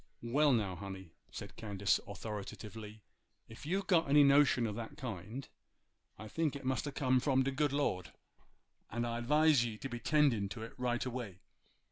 'Well, now, honey,' said Candace, authoritatively, 'ef you've got any notion o' that kind, I think it must a come from de good Lord; and I 'vise ye to be 'tendin' to it right away.